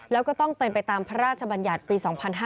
แล้วก็ต้องเป็นไปตามพระราชบัญญัติปี๒๕๕๙